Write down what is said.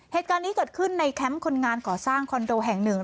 เหตุการณ์นี้เกิดขึ้นในแคมป์คนงานก่อสร้างคอนโดแห่งหนึ่ง